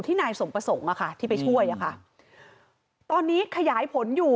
ที่นายส่งประศงอะค่ะที่ไปช่วยอะค่ะตอนนี้ขยายผลอยู่